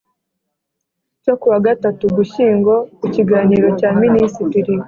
cyo ku wa gatatu ugushyingo ku kiganiro cya minisitiri